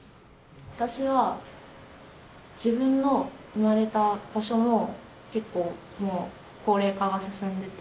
私は自分の生まれた場所も結構もう高齢化が進んでて。